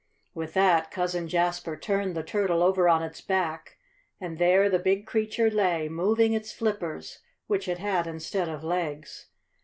With that Cousin Jasper turned the turtle over on its back, and there the big creature lay, moving its flippers, which it had instead of legs.